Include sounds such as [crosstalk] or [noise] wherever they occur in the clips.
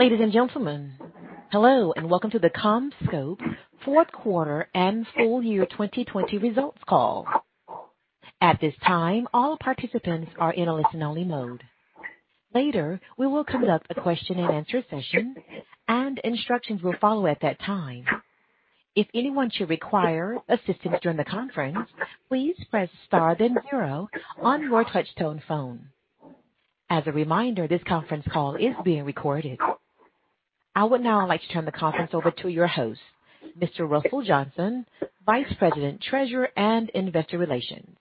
Ladies and gentlemen, hello, and welcome to the CommScope fourth quarter and full-year 2020 results call. At this time, all participants are in a listen-only mode. Later, we will conduct a question and answer session, and instructions will follow at that time. If anyone should require assistance during the conference, please press star then zero on your touch-tone phone. As a reminder, this conference call is being recorded. I would now like to turn the conference over to your host, Mr. Russell Johnson, Vice President, Treasurer and Investor Relations.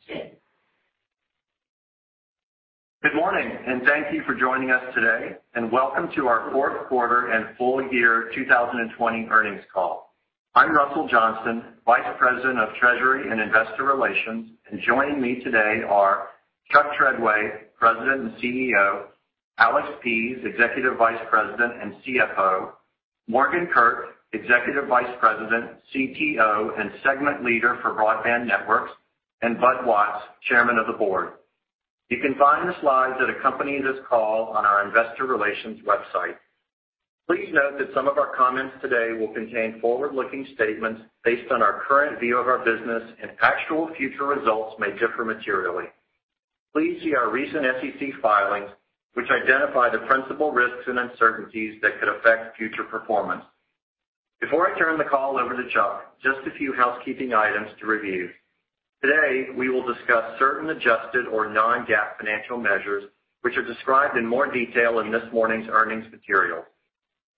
Good morning, thank you for joining us today, and welcome to our fourth quarter and full-year 2020 earnings call. I'm Russell Johnson, Vice President of Treasury and Investor Relations, and joining me today are Chuck Treadway, President and CEO, Alex Pease, Executive Vice President and CFO, Morgan Kurk, Executive Vice President, CTO and Segment Leader for Broadband Networks, and Bud Watts, Chairman of the Board. You can find the slides that accompany this call on our investor relations website. Please note that some of our comments today will contain forward-looking statements based on our current view of our business, and actual future results may differ materially. Please see our recent SEC filings, which identify the principal risks and uncertainties that could affect future performance. Before I turn the call over to Chuck, just a few housekeeping items to review. Today, we will discuss certain adjusted or non-GAAP financial measures, which are described in more detail in this morning's earnings material.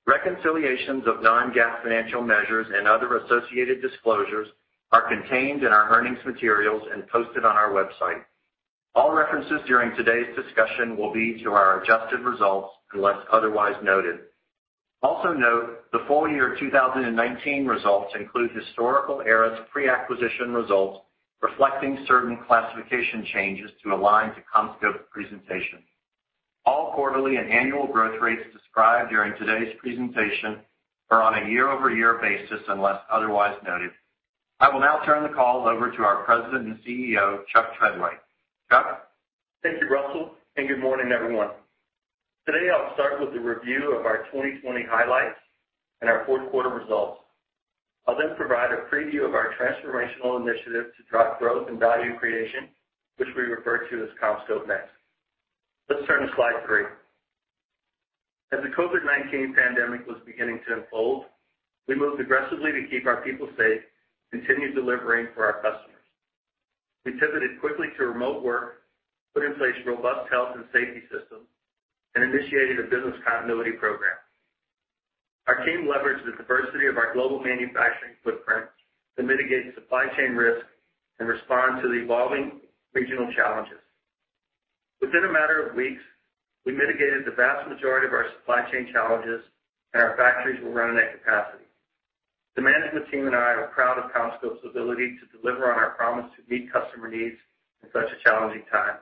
Reconciliations of non-GAAP financial measures and other associated disclosures are contained in our earnings materials and posted on our website. All references during today's discussion will be to our adjusted results unless otherwise noted. Also note, the full-year 2019 results include historical ARRIS pre-acquisition results reflecting certain classification changes to align to CommScope presentation. All quarterly and annual growth rates described during today's presentation are on a year-over-year basis, unless otherwise noted. I will now turn the call over to our President and CEO, Chuck Treadway. Chuck? Thank you, Russell, and good morning, everyone. Today, I'll start with a review of our 2020 highlights and our fourth quarter results. I'll then provide a preview of our transformational initiative to drive growth and value creation, which we refer to as CommScope Next. Let's turn to slide three. As the COVID-19 pandemic was beginning to unfold, we moved aggressively to keep our people safe, continue delivering for our customers. We pivoted quickly to remote work, put in place robust health and safety systems, and initiated a business continuity program. Our team leveraged the diversity of our global manufacturing footprint to mitigate supply chain risk and respond to the evolving regional challenges. Within a matter of weeks, we mitigated the vast majority of our supply chain challenges, and our factories were running at capacity. The management team and I are proud of CommScope's ability to deliver on our promise to meet customer needs in such a challenging time.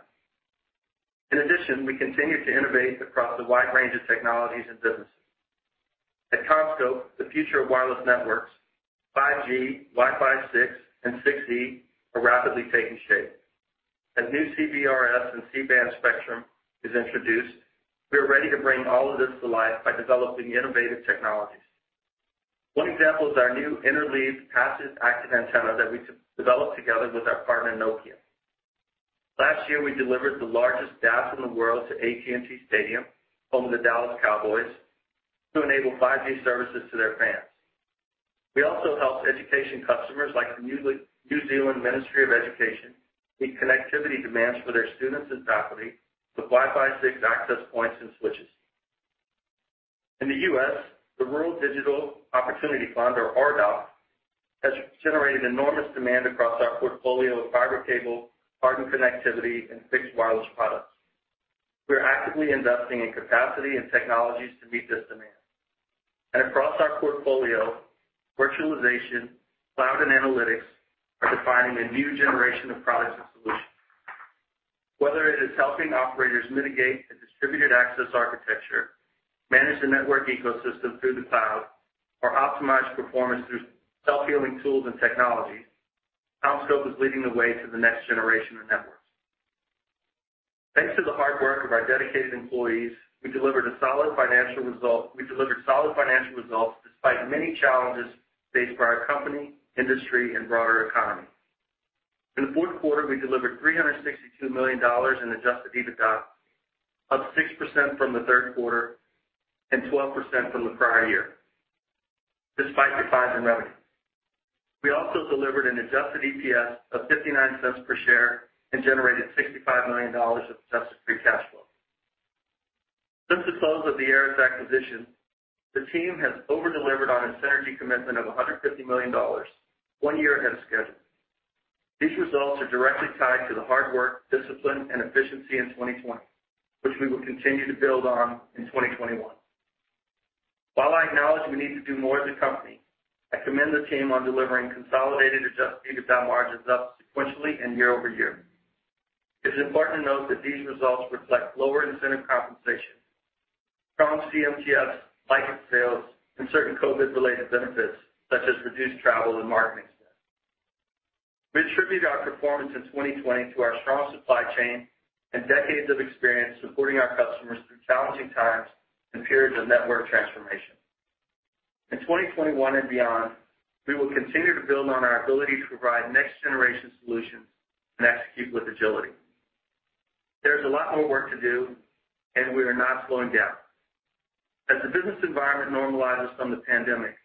In addition, we continued to innovate across a wide range of technologies and businesses. At CommScope, the future of wireless networks, 5G, Wi-Fi 6, and 6E are rapidly taking shape. As new CBRS and C-band spectrum is introduced, we are ready to bring all of this to life by developing innovative technologies. One example is our new interleaved passive active antenna that we developed together with our partner, Nokia. Last year, we delivered the largest DAS in the world to AT&T Stadium, home of the Dallas Cowboys, to enable 5G services to their fans. We also helped education customers like the New Zealand Ministry of Education meet connectivity demands for their students and faculty with Wi-Fi 6 access points and switches. In the U.S., the Rural Digital Opportunity Fund, or RDOF, has generated enormous demand across our portfolio of fiber cable, hardened connectivity, and fixed wireless products. We are actively investing in capacity and technologies to meet this demand. Across our portfolio, virtualization, cloud, and analytics are defining a new generation of products and solutions. Whether it is helping operators mitigate a Distributed Access Architecture, manage the network ecosystem through the cloud, or optimize performance through self-healing tools and technologies, CommScope is leading the way to the next generation of networks. Thanks to the hard work of our dedicated employees, we delivered solid financial results despite many challenges faced by our company, industry, and broader economy. In the fourth quarter, we delivered $362 million in adjusted EBITDA, up 6% from the third quarter and 12% from the prior year, despite declines in revenue. We also delivered an adjusted EPS of $0.59 per share and generated $65 million of adjusted free cash flow. Since the close of the ARRIS acquisition, the team has over-delivered on a synergy commitment of $150 million one year ahead of schedule. These results are directly tied to the hard work, discipline, and efficiency in 2020, which we will continue to build on in 2021. While I acknowledge we need to do more as a company, I commend the team on delivering consolidated adjusted EBITDA margins up sequentially and year-over-year. It is important to note that these results reflect lower incentive compensation, strong CMTS, license sales, and certain COVID-related benefits such as reduced travel and marketing spend. We attribute our performance in 2020 to our strong supply chain and decades of experience supporting our customers through challenging times and periods of network transformation. In 2021 and beyond, we will continue to build on our ability to provide next-generation solutions and execute with agility. There's a lot more work to do, and we are not slowing down. As the business environment normalizes from the pandemic,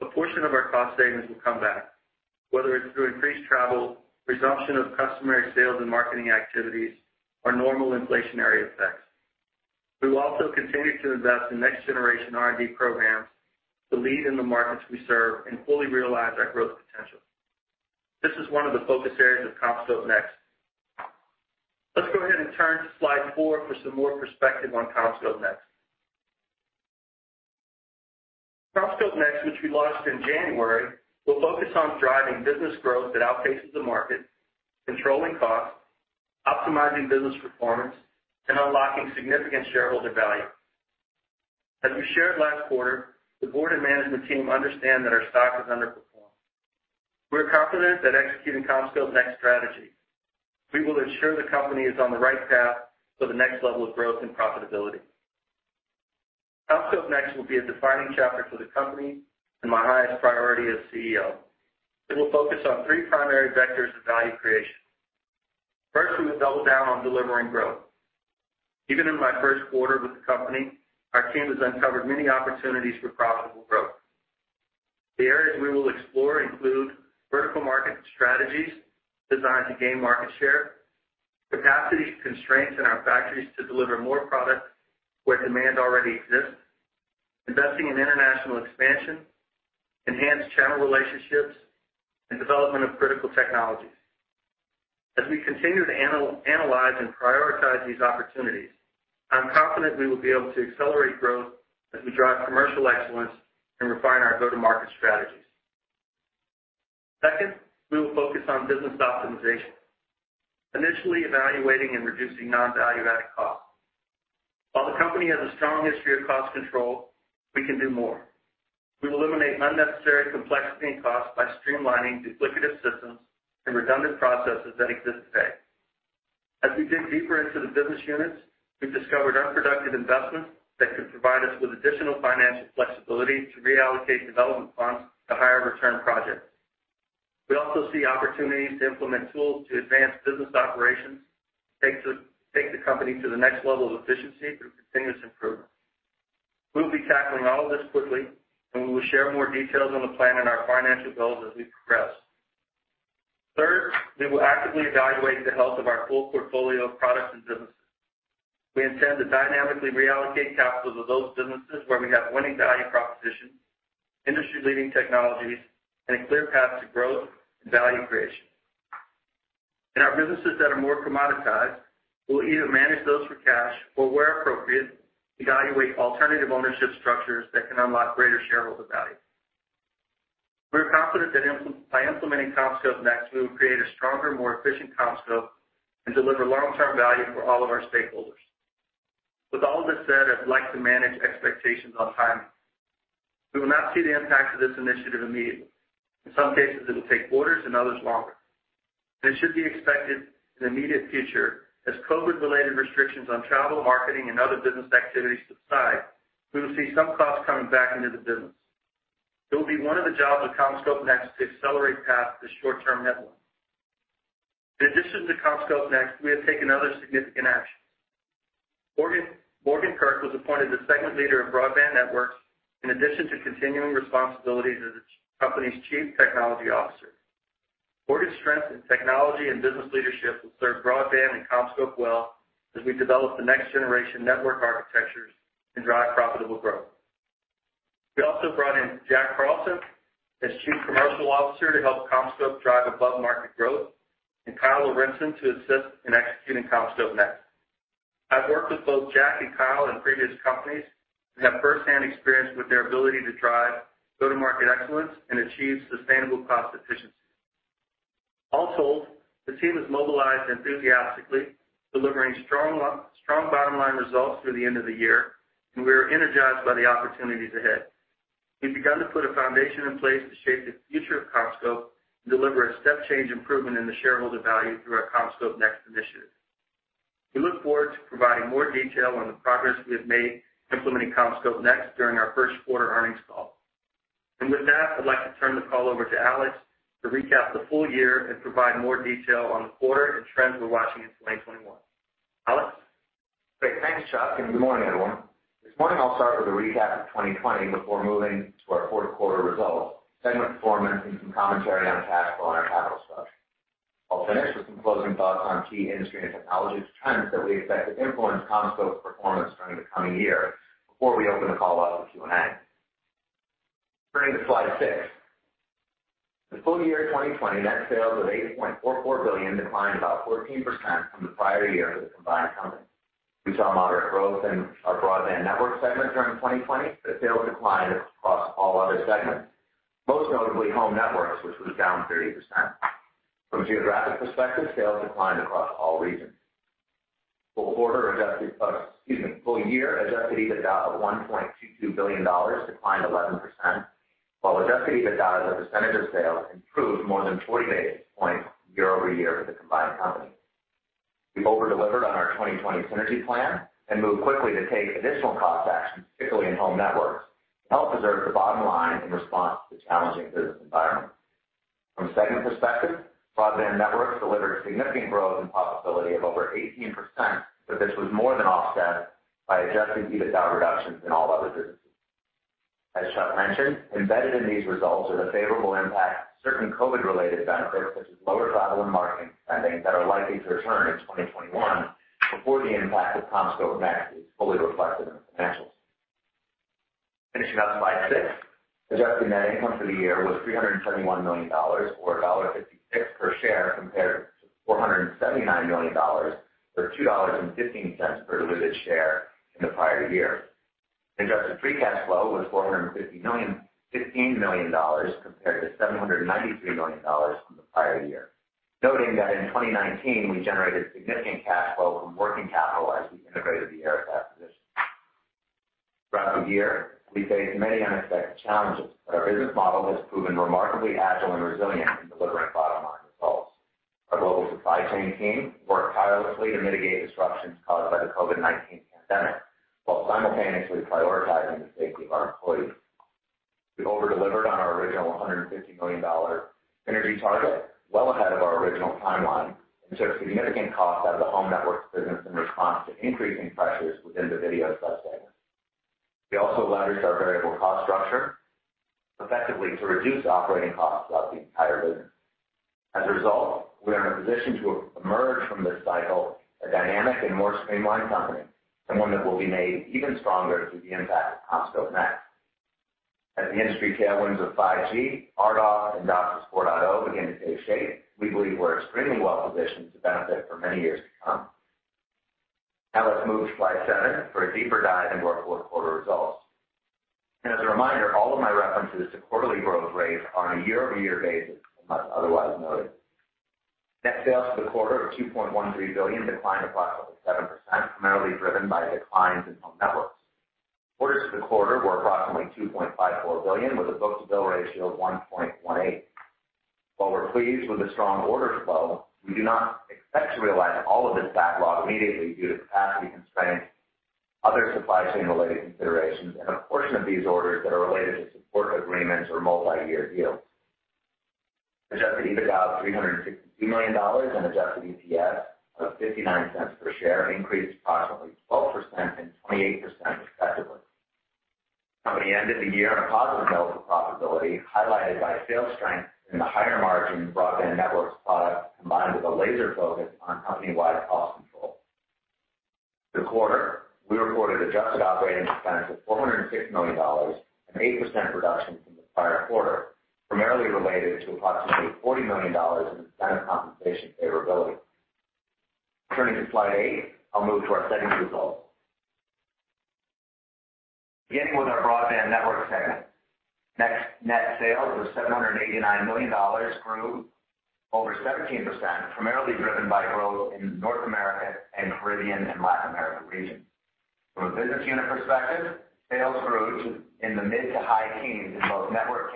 a portion of our cost savings will come back, whether it's through increased travel, resumption of customary sales and marketing activities, or normal inflationary effects. We will also continue to invest in next-generation R&D programs to lead in the markets we serve and fully realize our growth potential. This is one of the focus areas of CommScope Next. Let's go ahead and turn to slide four for some more perspective on CommScope Next. CommScope Next, which we launched in January, will focus on driving business growth that outpaces the market, controlling costs, optimizing business performance, and unlocking significant shareholder value. As we shared last quarter, the board and management team understand that our stock has underperformed. We're confident that executing CommScope Next strategy, we will ensure the company is on the right path for the next level of growth and profitability. CommScope Next will be a defining chapter for the company and my highest priority as CEO. It will focus on three primary vectors of value creation. First, we will double down on delivering growth. Even in my first quarter with the company, our team has uncovered many opportunities for profitable growth. The areas we will explore include vertical market strategies designed to gain market share, capacity constraints in our factories to deliver more product where demand already exists, investing in international expansion, enhanced channel relationships, and development of critical technologies. As we continue to analyze and prioritize these opportunities, I'm confident we will be able to accelerate growth as we drive commercial excellence and refine our go-to-market strategies. Second, we will focus on business optimization, initially evaluating and reducing non-value-added costs. While the company has a strong history of cost control, we can do more. We will eliminate unnecessary complexity and cost by streamlining duplicative systems and redundant processes that exist today. As we dig deeper into the business units, we've discovered unproductive investments that could provide us with additional financial flexibility to reallocate development funds to higher return projects. We also see opportunities to implement tools to advance business operations to take the company to the next level of efficiency through continuous improvement. We will be tackling all of this quickly, and we will share more details on the plan and our financial goals as we progress. Third, we will actively evaluate the health of our full portfolio of products and services. We intend to dynamically reallocate capital to those businesses where we have winning value propositions, industry-leading technologies, and a clear path to growth and value creation. In our businesses that are more commoditized, we'll either manage those for cash or, where appropriate, evaluate alternative ownership structures that can unlock greater shareholder value. We're confident that by implementing CommScope Next, we will create a stronger, more efficient CommScope and deliver long-term value for all of our stakeholders. With all of this said, I'd like to manage expectations on timing. We will not see the impact of this initiative immediately. In some cases, it'll take quarters, in others, longer. It should be expected in the immediate future, as COVID-related restrictions on travel, marketing, and other business activities subside, we will see some costs coming back into the business. It will be one of the jobs of CommScope Next to accelerate paths to short-term net ones. In addition to CommScope Next, we have taken other significant action. Morgan Kurk was appointed the segment leader of Broadband Networks in addition to continuing responsibilities as the company's Chief Technology Officer. Morgan's strength in technology and business leadership will serve broadband and CommScope well as we develop the next-generation network architectures and drive profitable growth. We also brought in Jack Carlson as Chief Commercial Officer to help CommScope drive above-market growth and Kyle Lorentzen to assist in executing CommScope Next. I've worked with both Jack and Kyle in previous companies and have firsthand experience with their ability to drive go-to-market excellence and achieve sustainable cost efficiency. The team has mobilized enthusiastically, delivering strong bottom-line results through the end of the year, and we are energized by the opportunities ahead. We've begun to put a foundation in place to shape the future of CommScope and deliver a step-change improvement in the shareholder value through our CommScope Next initiative. We look forward to providing more detail on the progress we have made implementing CommScope Next during our first quarter earnings call. With that, I'd like to turn the call over to Alex to recap the full-year and provide more detail on the quarter and trends we're watching in 2021. Alex? Great. Thanks, Chuck, and good morning, everyone. This morning I'll start with a recap of 2020 before moving to our fourth quarter results, segment performance, and some commentary on cash flow and our capital structure. I'll finish with some closing thoughts on key industry and technology trends that we expect to influence CommScope's performance during the coming year before we open the call up to Q&A. Turning to slide six. The full-year 2020 net sales of $8.44 billion declined about 14% from the prior year of the combined company. We saw moderate growth in our Broadband Networks segment during 2020, but sales declined across all other segments, most notably Home Networks, which was down 30%. From a geographic perspective, sales declined across all regions. full-year adjusted EBITDA of $1.22 billion declined 11%, while adjusted EBITDA as a percentage of sales improved more than 40 basis points year-over-year for the combined company. We over-delivered on our 2020 synergy plan and moved quickly to take additional cost actions, particularly in Home Networks, to help preserve the bottom line in response to the challenging business environment. From a segment perspective, Broadband Networks delivered significant growth and profitability of over 18%. This was more than offset by adjusted EBITDA reductions in all other businesses. As Chuck mentioned, embedded in these results are the favorable impact of certain COVID-related benefits, such as lower travel and marketing spending, that are likely to return in 2021 before the impact of CommScope Next is fully reflected in the financials. Finishing up slide six. Adjusted net income for the year was $371 million, or $1.56 per share compared to $479 million, or $2.15 per diluted share in the prior year. Adjusted free cash flow was $415 million compared to $793 million from the prior year. Noting that in 2019, we generated significant cash flow from working capital as we integrated the ARRIS acquisition. Our business model has proven remarkably agile and resilient in delivering bottom-line results. Our global supply chain team worked tirelessly to mitigate disruptions caused by the COVID-19 pandemic, while simultaneously prioritizing the safety of our employees. We over-delivered on our original $150 million synergy target well ahead of our original timeline and took significant cost out of the Home Networks business in response to increasing pressures within the video sub-segment. We also leveraged our variable cost structure effectively to reduce operating costs throughout the entire business. As a result, we are in a position to emerge from this cycle a dynamic and more streamlined company, and one that will be made even stronger through the impact of CommScope Next. As the industry tailwinds of 5G, RDOF, and DOCSIS 4.0 begin to take shape, we believe we're extremely well-positioned to benefit for many years to come. Now let's move to slide seven for a deeper dive into our fourth quarter results. As a reminder, all of my references to quarterly growth rates are on a year-over-year basis, unless otherwise noted. Net sales for the quarter of $2.13 billion declined approximately 7%, primarily driven by declines in Home Networks. Orders for the quarter were approximately $2.54 billion, with a book-to-bill ratio of 1.18. While we're pleased with the strong orders flow, we do not expect to realize all of this backlog immediately due to capacity constraints, other supply chain-related considerations, and a portion of these orders that are related to support agreements or multi-year deals. Adjusted EBITDA of [audio distortion] million and adjusted EPS of $0.59 per share increased approximately 12% and 28% respectively. The company ended the year on a positive note with profitability highlighted by sales strength in the higher-margin Broadband Networks products, combined with a laser focus on company-wide cost control. For the quarter, we reported adjusted operating expense of $406 million, an 8% reduction from the prior quarter, primarily related to approximately $40 million in incentive compensation favorability. Turning to slide eight, I'll move to our segment results. Beginning with our Broadband Networks segment. Net sales of $789 million grew over 17%, primarily driven by growth in North America and Caribbean and Latin America region. From a business unit perspective, sales grew in the mid to high teens in both network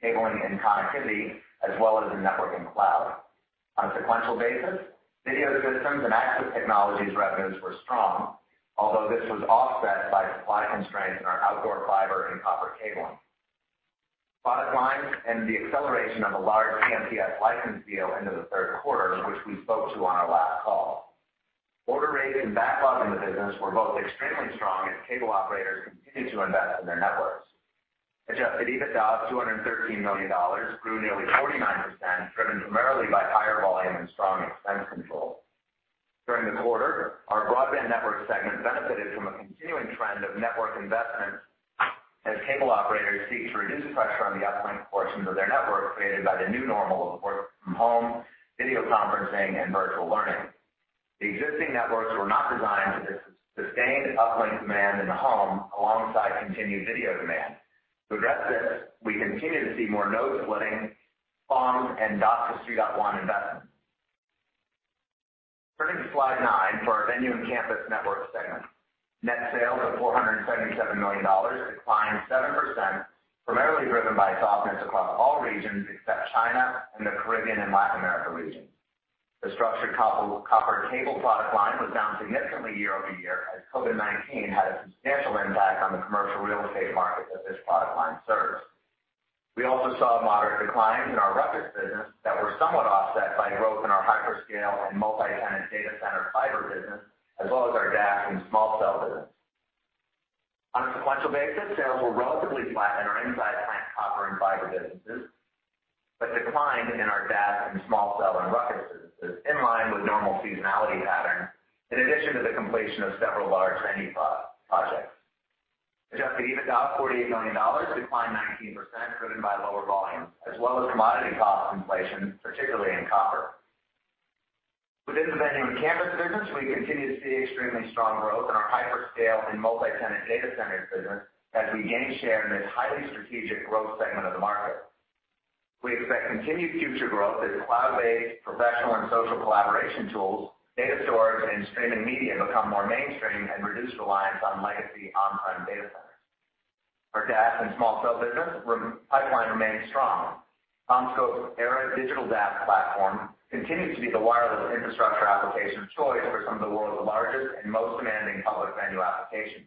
cabling and connectivity, as well as in network and cloud. On a sequential basis, video systems and access technologies revenues were strong, although this was offset by supply constraints in our outdoor fiber and copper cabling product lines and the acceleration of a large DMPS license deal into the third quarter, which we spoke to on our last call. Order rates and backlog in the business were both extremely strong as cable operators continued to invest in their networks. Adjusted EBITDA of $213 million grew nearly 49%, driven primarily by higher volume and strong expense control. During the quarter, our Broadband Networks segment benefited from a continuing trend of network investments as cable operators seek to reduce pressure on the uplink portions of their network created by the new normal of working from home, video conferencing, and virtual learning. The existing networks were not designed to sustain the uplink demand in the home alongside continued video demand. To address this, we continue to see more node winning, PON, and DOCSIS 3.1 investments. Turning to slide nine for our Venue and Campus Networks segment. Net sales of $477 million declined 7%, primarily driven by softness across all regions except China and the Caribbean and Latin America region. The structured copper cable product line was down significantly year-over-year as COVID-19 had a substantial impact on the commercial real estate market that this product line serves. We also saw a moderate decline in our Ruckus business that were somewhat offset by growth in our hyperscale and multi-tenant data center fiber business, as well as our DAS and small cell business. On a sequential basis, sales were relatively flat in our inside plant copper and fiber businesses, but declined in our DAS and small cell and Ruckus businesses, in line with normal seasonality patterns, in addition to the completion of several large venue projects. Adjusted EBITDA of $48 million declined 19%, driven by lower volume, as well as commodity cost inflation, particularly in copper. Within the Venue and Campus Networks, we continue to see extremely strong growth in our hyperscale and multi-tenant data centers business as we gain share in this highly strategic growth segment of the market. We expect continued future growth as cloud-based professional and social collaboration tools, data storage, and streaming media become more mainstream and reduce reliance on legacy on-prem data centers. Our DAS and small cell business pipeline remains strong. CommScope's ERA digital DAS platform continues to be the wireless infrastructure application of choice for some of the world's largest and most demanding public venue applications.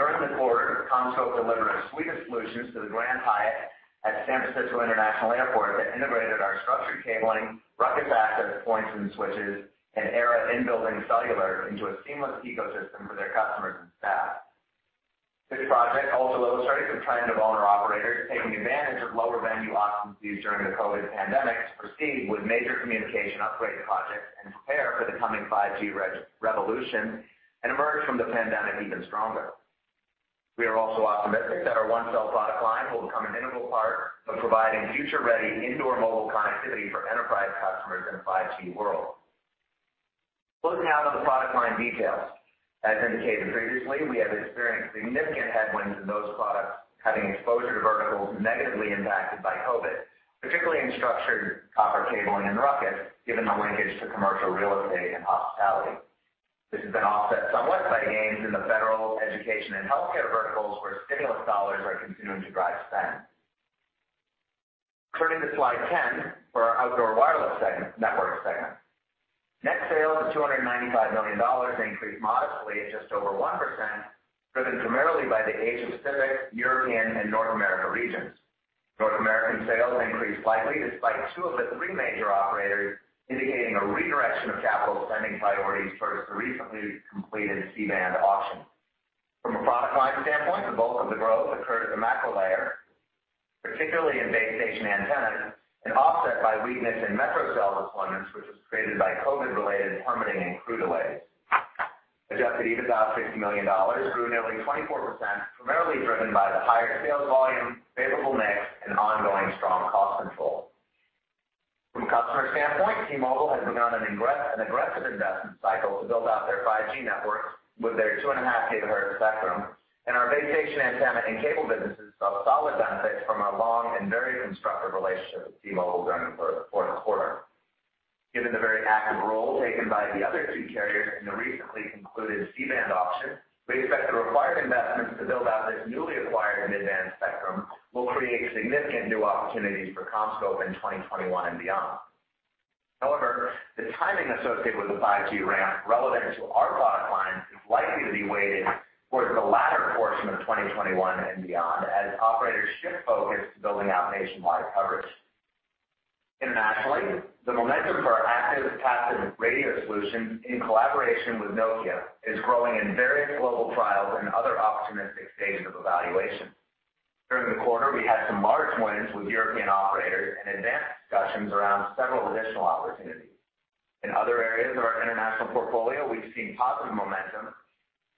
As an example, during the quarter, CommScope delivered a suite of solutions to the Grand Hyatt at San Francisco International Airport that integrated our structured cabling, Ruckus access points and switches, and ERA in-building cellular into a seamless ecosystem for their customers and staff. This project also illustrates the trend of owner operators taking advantage of lower venue occupancies during the COVID pandemic to proceed with major communication upgrade projects and prepare for the coming 5G revolution and emerge from the pandemic even stronger. We are also optimistic that our OneCell product line will become an integral part of providing future-ready indoor mobile connectivity for enterprise customers in a 5G world. Looking now to the product line details. As indicated previously, we have experienced significant headwinds in those products having exposure to verticals negatively impacted by COVID, particularly in structured copper cabling and Ruckus, given the linkage to commercial real estate and hospitality. This has been offset somewhat by gains in the federal, education, and healthcare verticals where stimulus dollars are continuing to drive spend. Turning to slide 10 for our networks segment. Net sales of $295 million increased modestly at just over 1%, driven primarily by the Asia Pacific, European, and North America regions. North American sales increased slightly despite two of the three major operators indicating a redirection of capital spending priorities for the recently completed C-band auction. From a product line standpoint, the bulk of the growth occurred at the macro layer, particularly in base station antennas and offset by weakness in metro cell deployments, which was created by COVID-related permitting and crew delays. Adjusted EBITDA of $60 million grew nearly 24%, primarily driven by the higher sales volume, favorable mix, and ongoing strong cost control. From a customer standpoint, T-Mobile has begun an aggressive investment cycle to build out their 5G networks with their 2.5 GHz spectrum, and our base station antenna and cable businesses saw solid benefits from our long and very constructive relationship with T-Mobile during the fourth quarter. Given the very active role taken by the other two carriers in the recently concluded C-band auction, we expect the required investments to build out this newly acquired mid-band spectrum will create significant new opportunities for CommScope in 2021 and beyond. The timing associated with the 5G ramp relevant to our product lines is likely to be weighted towards the latter portion of 2021 and beyond as operators shift focus to building out nationwide coverage. Internationally, the momentum for our active passive radio solutions in collaboration with Nokia is growing in various global trials and other optimistic stages of evaluation. During the quarter, we had some large wins with European operators and advanced discussions around several additional opportunities. In other areas of our international portfolio, we've seen positive momentum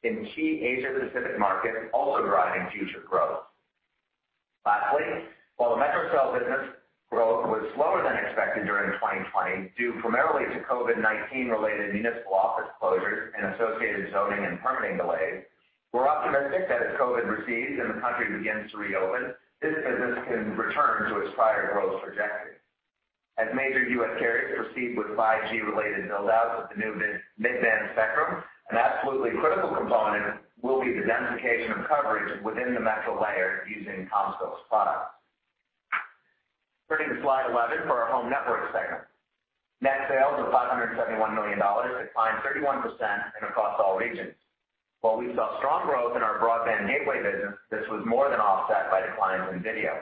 in key Asia Pacific markets also driving future growth. Lastly, while the metro cell business growth was slower than expected during 2020 due primarily to COVID-19 related municipal office closures and associated zoning and permitting delays, we're optimistic that as COVID recedes and the country begins to reopen, this business can return to its prior growth trajectory. As major U.S. carriers proceed with 5G-related build-outs with the new mid-band spectrum, an absolutely critical component will be the densification of coverage within the metro layer using CommScope's products. Turning to slide 11 for our Home Networks segment. Net sales of $571 million declined 31% and across all regions. While we saw strong growth in our broadband gateway business, this was more than offset by declines in video.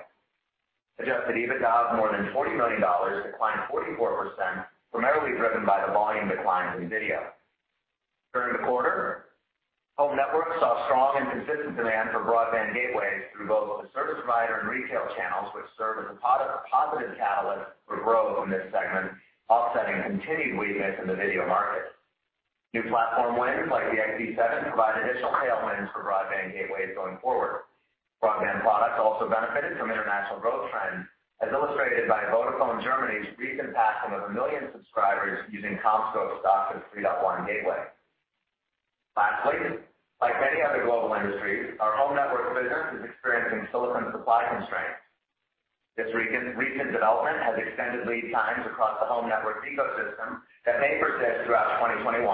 Adjusted EBITDA of more than $40 million declined 44%, primarily driven by the volume declines in video. During the quarter, Home Networks saw strong and consistent demand for broadband gateways through both the service provider and retail channels, which served as a positive catalyst for growth in this segment, offsetting continued weakness in the video market. New platform wins like the XB7 provide additional tailwinds for broadband gateways going forward. Broadband products also benefited from international growth trends, as illustrated by Vodafone Germany's recent pass of a million subscribers using CommScope's DOCSIS 3.1 gateway. Lastly, like many other global industries, our home network business is experiencing silicon supply constraints. This recent development has extended lead times across the home network ecosystem that may persist throughout 2021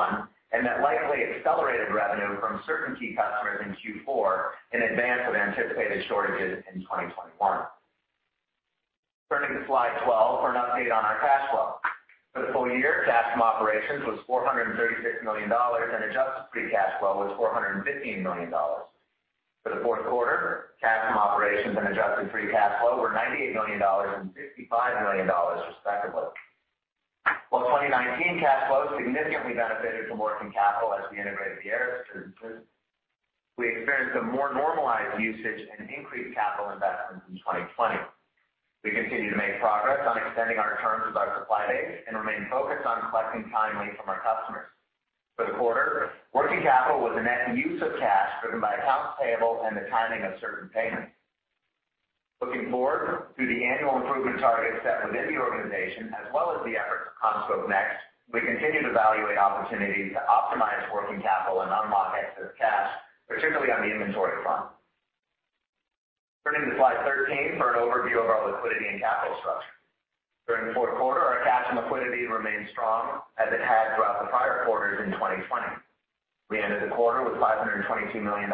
and that likely accelerated revenue from certain key customers in Q4 in advance of anticipated shortages in 2021. Turning to slide 12 for an update on our cash flow. For the full-year, cash from operations was $436 million and adjusted free cash flow was $415 million. For the fourth quarter, cash from operations and adjusted free cash flow were $98 million and $65 million respectively. While 2019 cash flow significantly benefited from working capital as we integrated the ERA solutions, we experienced a more normalized usage and increased capital investments in 2020. We continue to make progress on extending our terms with our supply base and remain focused on collecting timely from our customers. For the quarter, working capital was a net use of cash driven by accounts payable and the timing of certain payments. Looking forward, through the annual improvement targets set within the organization, as well as the efforts of CommScope Next, we continue to evaluate opportunities to optimize working capital and unlock excess cash, particularly on the inventory front. Turning to slide 13 for an overview of our liquidity and capital structure. During the fourth quarter, our cash and liquidity remained strong as it had throughout the prior quarters in 2020. We ended the quarter with $522 million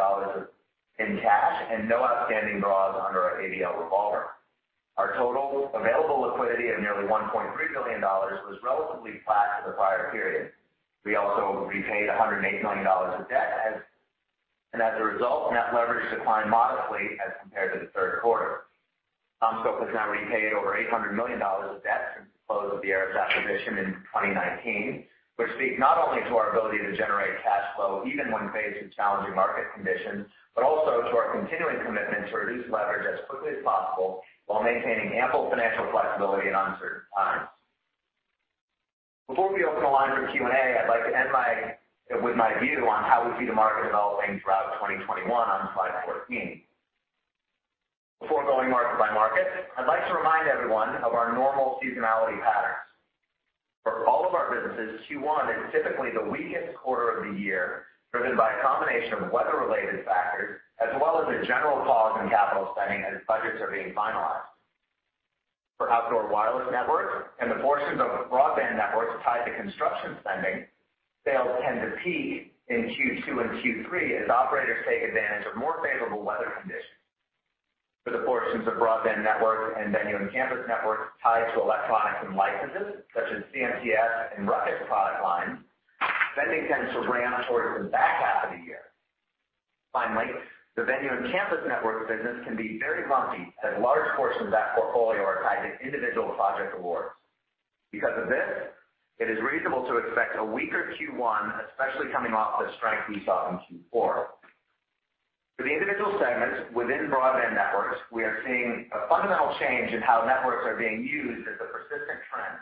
in cash and no outstanding draws under our ABL revolver. Our total available liquidity of nearly $1.3 billion was relatively flat to the prior period. We also repaid $108 million of debt, and as a result, net leverage declined modestly as compared to the third quarter. CommScope has now repaid over $800 million of debt since the close of the ARRIS acquisition in 2019, which speaks not only to our ability to generate cash flow even when faced with challenging market conditions, but also to our continuing commitment to reduce leverage as quickly as possible while maintaining ample financial flexibility in uncertain times. Before we open the line for Q&A, I'd like to end with my view on how we see the market developing throughout 2021 on slide 14. Before going market by market, I'd like to remind everyone of our normal seasonality patterns. For all of our businesses, Q1 is typically the weakest quarter of the year, driven by a combination of weather-related factors as well as a general pause in capital spending as budgets are being finalized. For outdoor wireless networks and the portions of the Broadband Networks tied to construction spending, sales tend to peak in Q2 and Q3 as operators take advantage of more favorable weather conditions. For the portions of Broadband Networks and Venue and Campus Networks tied to electronics and licenses such as CMTS and Ruckus product lines, spending tends to ramp towards the back half of the year. The Venue and Campus Networks business can be very lumpy as large portions of that portfolio are tied to individual project awards. It is reasonable to expect a weaker Q1, especially coming off the strength we saw in Q4. For the individual segments within Broadband Networks, we are seeing a fundamental change in how networks are being used as a persistent trend.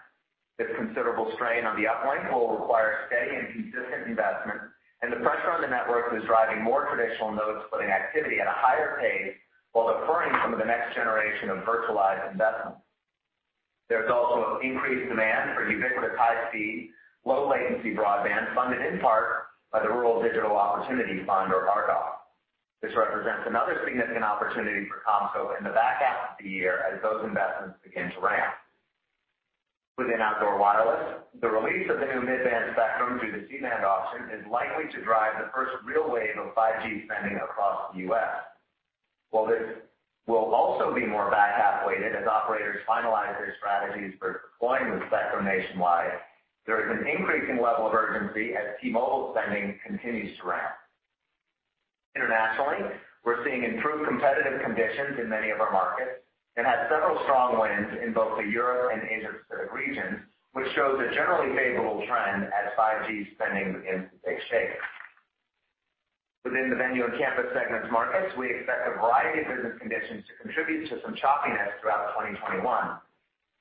This considerable strain on the uplink will require steady and consistent investment. The pressure on the network is driving more traditional node splitting activity at a higher pace while deferring some of the next generation of virtualized investments. There's also increased demand for ubiquitous high-speed, low-latency broadband funded in part by the Rural Digital Opportunity Fund, or RDOF. This represents another significant opportunity for CommScope in the back half of the year as those investments begin to ramp. Within outdoor wireless, the release of the new mid-band spectrum through the C-band auction is likely to drive the first real wave of 5G spending across the U.S. While this will also be more back-half weighted as operators finalize their strategies for deploying the spectrum nationwide, there is an increasing level of urgency as T-Mobile spending continues to ramp. Internationally, we're seeing improved competitive conditions in many of our markets and had several strong wins in both the Europe and Asia-Pacific regions, which shows a generally favorable trend as 5G spending begins to take shape. Within the Venue and Campus segments markets, we expect a variety of business conditions to contribute to some choppiness throughout 2021.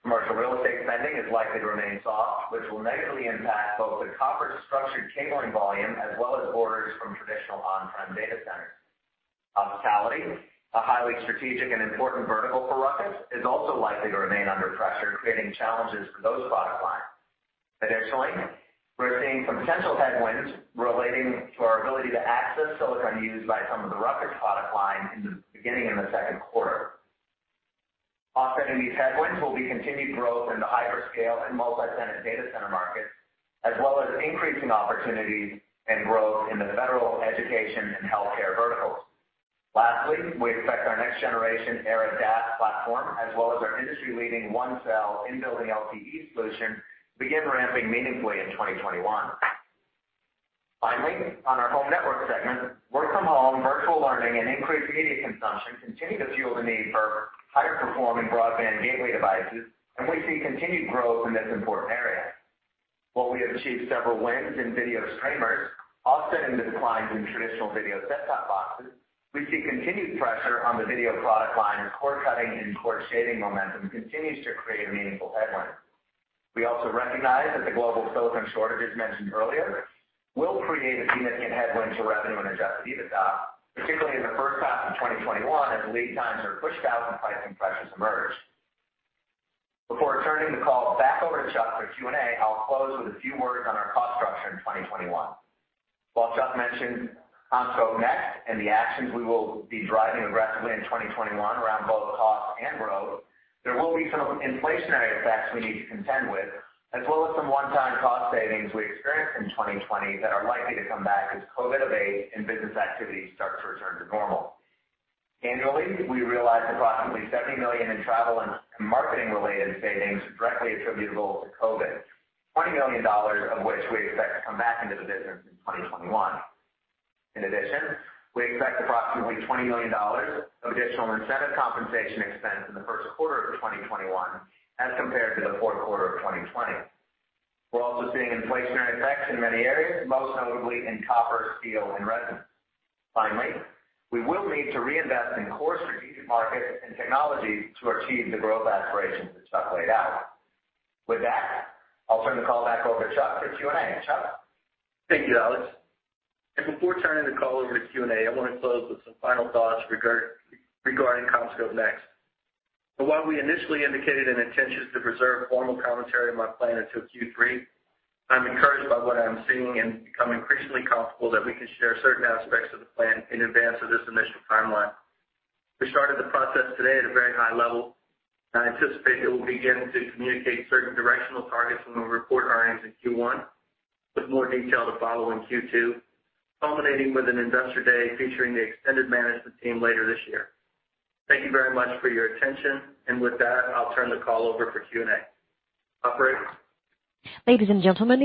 Commercial real estate spending is likely to remain soft, which will negatively impact both the copper structured cabling volume as well as orders from traditional on-prem data centers. Hospitality, a highly strategic and important vertical for Ruckus, is also likely to remain under pressure, creating challenges for those product lines. Additionally, we're seeing some potential headwinds relating to our ability to access silicon used by some of the Ruckus product lines in the beginning of the second quarter. Offsetting these headwinds will be continued growth in the hyperscale and multi-tenant data center markets, as well as increasing opportunities and growth in the federal, education, and healthcare verticals. Lastly, we expect our next generation ERA DAS platform, as well as our industry-leading OneCell in-building LTE solution, to begin ramping meaningfully in 2021. Finally, on our Home Networks segment, work from home, virtual learning, and increased media consumption continue to fuel the need for higher performing broadband gateway devices, and we see continued growth in this important area. While we have achieved several wins in video streamers offsetting the declines in traditional video set-top boxes, we see continued pressure on the video product line as cord-cutting and cord-shaving momentum continues to create a meaningful headline. We also recognize that the global silicon shortages mentioned earlier will create a significant headwind to revenue and adjusted EBITDA, particularly in the first half of 2021 as lead times are pushed out and pricing pressures emerge. Before turning the call back over to Chuck for Q&A, I will close with a few words on our cost structure in 2021. While Chuck mentioned CommScope Next and the actions we will be driving aggressively in 2021 around both cost and growth, there will be some inflationary effects we need to contend with, as well as some one-time cost savings we experienced in 2020 that are likely to come back as COVID abates and business activities start to return to normal. Annually, we realized approximately $70 million in travel and marketing-related savings directly attributable to COVID, $20 million of which we expect to come back into the business in 2021. In addition, we expect approximately $20 million of additional incentive compensation expense in the first quarter of 2021 as compared to the fourth quarter of 2020. We're also seeing inflationary effects in many areas, most notably in copper, steel, and resin. We will need to reinvest in core strategic markets and technologies to achieve the growth that Chuck laid down. With that, I'll turn the call back over to Chuck for Q&A. Chuck? Thank you, Alex. Before turning the call over to Q&A, I want to close with some final thoughts regarding CommScope Next. While we initially indicated an intention to reserve formal commentary on my plan until Q3, I'm encouraged by what I'm seeing and become increasingly comfortable that we can share certain aspects of the plan in advance of this initial timeline. We started the process today at a very high level, I anticipate it will begin to communicate certain directional targets when we report earnings in Q1, with more detail to follow in Q2, culminating with an investor day featuring the extended management team later this year. Thank you very much for your attention. With that, I'll turn the call over for Q&A. Operator? Your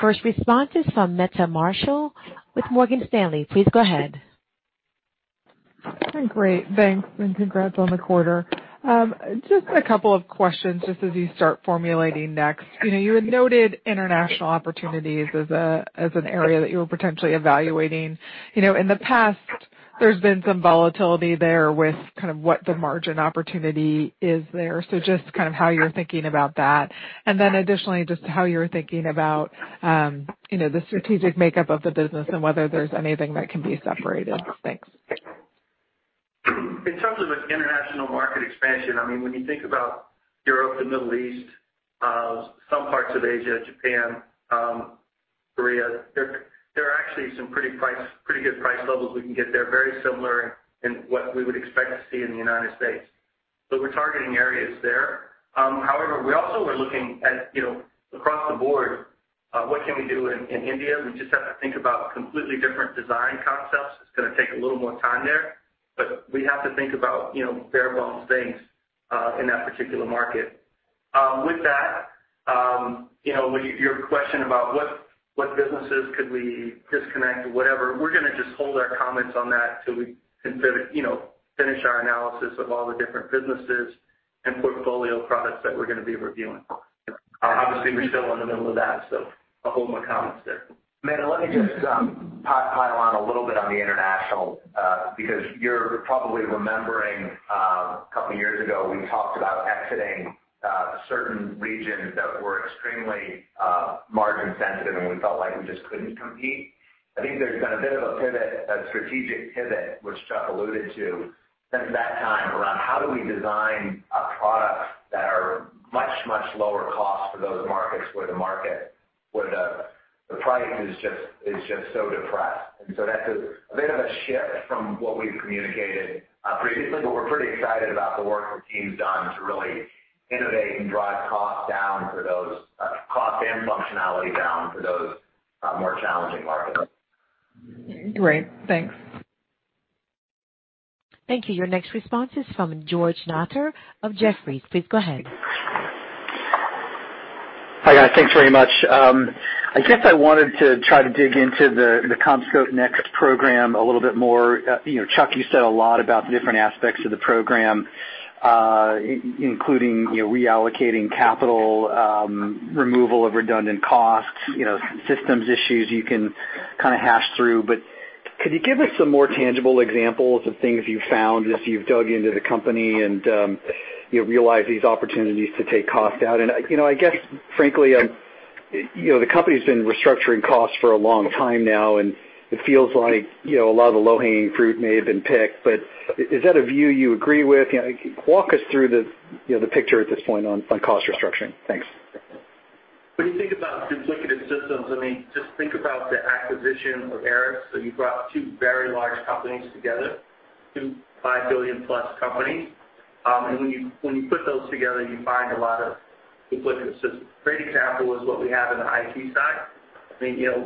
first response is from Meta Marshall with Morgan Stanley. Please go ahead. Great. Thanks, and congrats on the quarter. Just a couple of questions just as you start formulating next. You had noted international opportunities as an area that you were potentially evaluating. In the past, there's been some volatility there with kind of what the margin opportunity is there. Just kind of how you're thinking about that. Additionally, just how you're thinking about the strategic makeup of the business and whether there's anything that can be separated. Thanks. In terms of an international market expansion, when you think about Europe, the Middle East, some parts of Asia, Japan, Korea, there are actually some pretty good price levels we can get there, very similar in what we would expect to see in the U.S. We're targeting areas there. However, we also are looking at, across the board, what can we do in India. We just have to think about completely different design concepts. It's going to take a little more time there. We have to think about bare bones things, in that particular market. With that, your question about what businesses could we disconnect or whatever, we're going to just hold our comments on that till we finish our analysis of all the different businesses and portfolio products that we're going to be reviewing. Obviously, we're still in the middle of that, so I'll hold my comments there. Meta, let me just pile on a little bit on the international, because you're probably remembering, a couple of years ago, we talked about exiting certain regions that were extremely margin sensitive, and we felt like we just couldn't compete. I think there's been a bit of a strategic pivot, which Chuck alluded to since that time around how do we design a product that are much, much lower cost for those markets where the price is just so depressed. That's a bit of a shift from what we've communicated previously, but we're pretty excited about the work the team's done to really innovate and drive cost and functionality down for those more challenging markets. Great. Thanks. Thank you. Your next response is from George Notter of Jefferies. Please go ahead. Hi, guys. Thanks very much. I guess I wanted to try to dig into the CommScope Next program a little bit more. Chuck, you said a lot about the different aspects of the program, including reallocating capital, removal of redundant costs, systems issues you can kind of hash through. Could you give us some more tangible examples of things you've found as you've dug into the company and realized these opportunities to take cost out? I guess, frankly, the company's been restructuring costs for a long time now, and it feels like a lot of the low-hanging fruit may have been picked, but is that a view you agree with? Walk us through the picture at this point on cost restructuring. Thanks. When you think about duplicative systems, just think about the acquisition of ARRIS. You brought two very large companies together, two $5 billion-plus companies. When you put those together, you find a lot of duplicative systems. Great example is what we have in the IT side.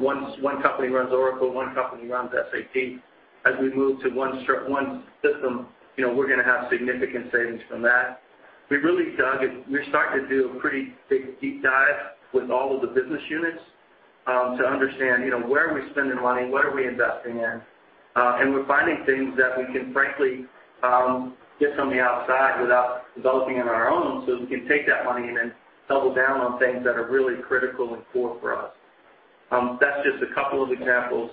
One company runs Oracle, one company runs SAP. As we move to one system, we're going to have significant savings from that. We've really dug, and we're starting to do a pretty big, deep dive with all of the business units, to understand where are we spending money, what are we investing in. We're finding things that we can frankly, get from the outside without developing on our own so we can take that money and then double down on things that are really critical and core for us. That's just a couple of examples.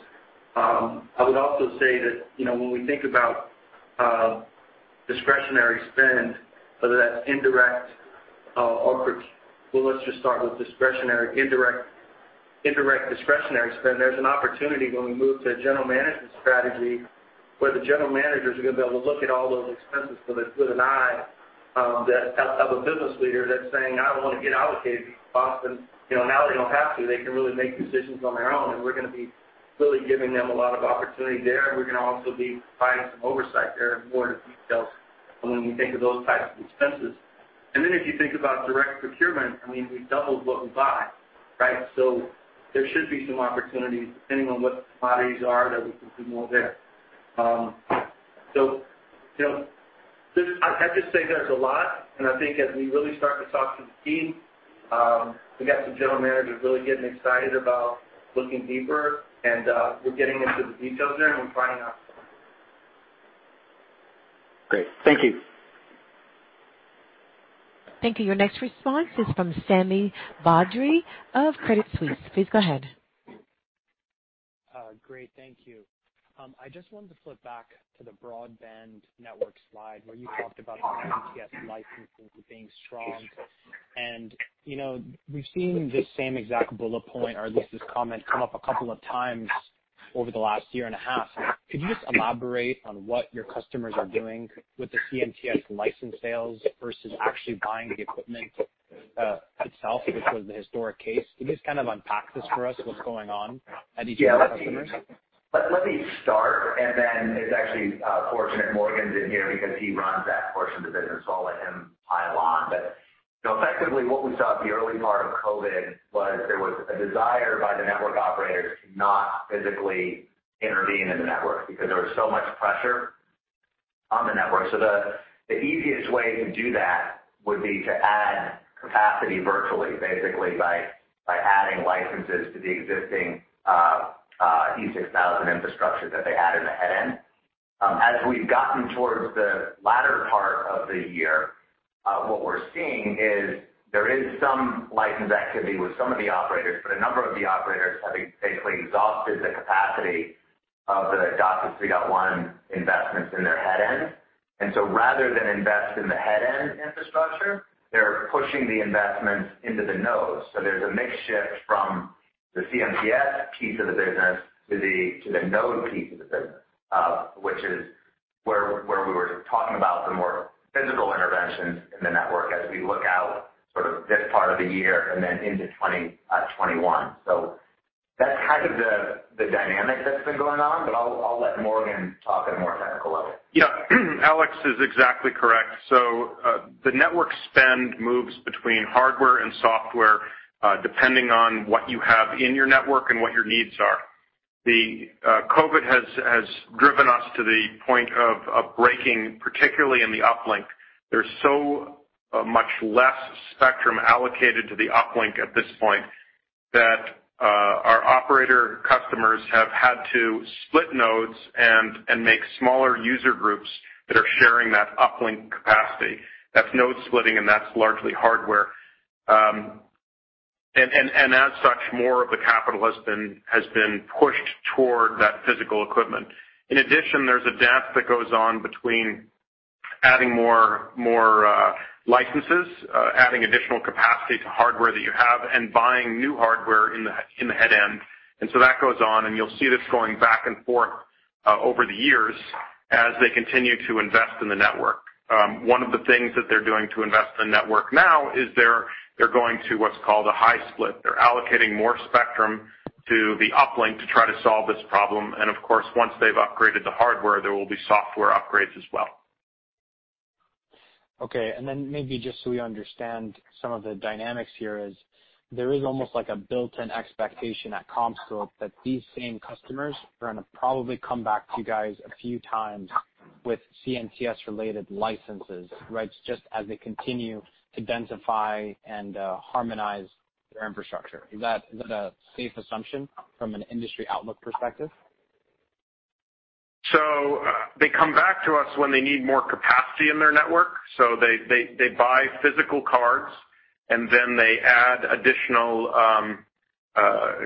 I would also say that when we think about discretionary spend, whether that's indirect or Well, let's just start with indirect discretionary spend. There's an opportunity when we move to a general management strategy where the general managers are going to be able to look at all those expenses with a good eye, of a business leader that's saying, "I want to get allocated costs," and now they don't have to. They can really make decisions on their own, and we're going to be really giving them a lot of opportunity there, and we're going to also be providing some oversight there, more to details when we think of those types of expenses. If you think about direct procurement, we doubled what we buy, right? There should be some opportunities, depending on what the commodities are, that we can do more there. I have to say there's a lot, and I think as we really start to talk to the team, we got some general managers really getting excited about looking deeper and we're getting into the details there, and we're finding out. Great. Thank you. Thank you. Your next response is from Sami Badri of Credit Suisse. Please go ahead. Great, thank you. I just wanted to flip back to the broadband network slide where you talked about CMTS licensing being strong. We've seen this same exact bullet point or at least this comment come up a couple of times over the last year and a half. Could you just elaborate on what your customers are doing with the CMTS license sales versus actually buying the equipment itself, which was the historic case? Can you just unpack this for us, what's going on at each of your customers? Let me start, and then it's actually fortunate Morgan's in here because he runs that portion of the business, so I'll let him pile on. Effectively what we saw at the early part of COVID was there was a desire by the network operators to not physically intervene in the network because there was so much pressure on the network. The easiest way to do that would be to add capacity virtually, basically by adding licenses to the existing E6000 infrastructure that they had in the headend. As we've gotten towards the latter part of the year, what we're seeing is there is some license activity with some of the operators, but a number of the operators having basically exhausted the capacity of their DOCSIS 3.1 investments in their head end. Rather than invest in the head end infrastructure, they're pushing the investments into the nodes. There's a mix shift from the CMTS piece of the business to the node piece of the business, which is where we were talking about the more physical interventions in the network as we look out sort of this part of the year and then into 2021. That's kind of the dynamic that's been going on, but I'll let Morgan talk at a more technical level. Alex is exactly correct. The network spend moves between hardware and software, depending on what you have in your network and what your needs are. COVID has driven us to the point of breaking, particularly in the uplink. There's so much less spectrum allocated to the uplink at this point that our operator customers have had to split nodes and make smaller user groups that are sharing that uplink capacity. That's node splitting, and that's largely hardware. More of the capital has been pushed toward that physical equipment. In addition, there's a dance that goes on between adding more licenses, adding additional capacity to hardware that you have, and buying new hardware in the head end. That goes on, and you'll see this going back and forth over the years as they continue to invest in the network. One of the things that they're doing to invest in the network now is they're going to what's called a high-split. They're allocating more spectrum to the uplink to try to solve this problem. Of course, once they've upgraded the hardware, there will be software upgrades as well. Maybe just so we understand some of the dynamics here is there is almost like a built-in expectation at CommScope that these same customers are going to probably come back to you guys a few times with CMTS related licenses, right? As they continue to densify and harmonize their infrastructure. Is that a safe assumption from an industry outlook perspective? They come back to us when they need more capacity in their network. They buy physical cards, and then they add additional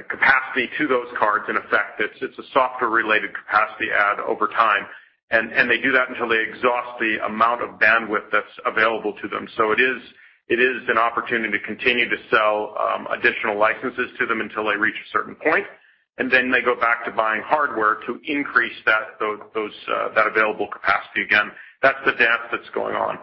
capacity to those cards in effect. It's a software related capacity add over time. They do that until they exhaust the amount of bandwidth that's available to them. It is an opportunity to continue to sell additional licenses to them until they reach a certain point, and then they go back to buying hardware to increase that available capacity again. That's the dance that's going on.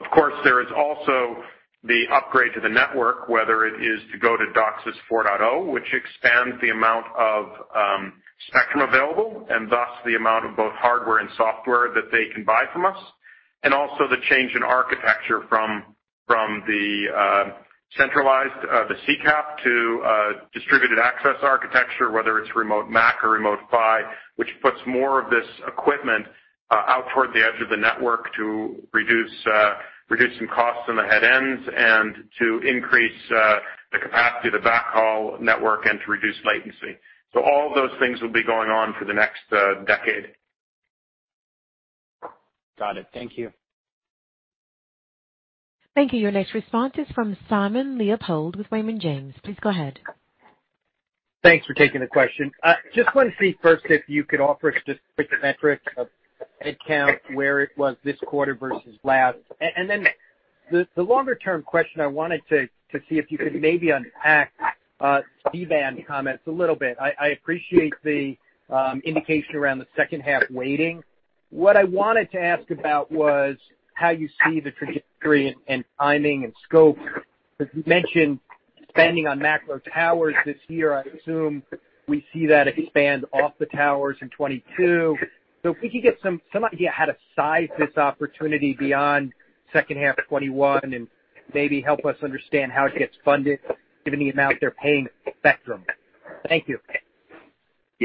Of course, there is also the upgrade to the network, whether it is to go to DOCSIS 4.0, which expands the amount of spectrum available, and thus the amount of both hardware and software that they can buy from us. Also the change in architecture from the centralized, the CCAP, to Distributed Access Architecture, whether it's Remote MAC-PHY or Remote PHY, which puts more of this equipment out toward the edge of the network to reduce some costs on the headends and to increase the capacity of the backhaul network and to reduce latency. All of those things will be going on for the next decade. Got it. Thank you. Thank you. Your next response is from Simon Leopold with Raymond James. Please go ahead. Thanks for taking the question. Just want to see first if you could offer us just quick metrics of head count, where it was this quarter versus last. The longer-term question I wanted to see if you could maybe unpack C-band comments a little bit. I appreciate the indication around the second half waiting. What I wanted to ask about was how you see the trajectory and timing and scope, because you mentioned spending on macro towers this year. I assume we see that expand off the towers in 2022. If we could get some idea how to size this opportunity beyond second half 2021, and maybe help us understand how it gets funded given the amount they're paying Spectrum. Thank you.